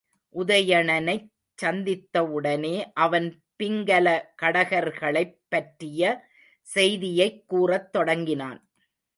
உதயணனைச் சந்தித்தவுடனே அவன் பிங்கல கடகர்களைப் பற்றிய செய்தியைக் கூறத் தொடங்கினான்.